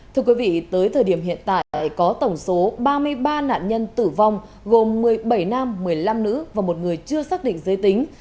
thưa quý vị tới thời điểm hiện tại có tổng số ba mươi ba nạn nhân tử vong gồm một mươi bảy nam một mươi năm nữ và một người chưa xác định giới tính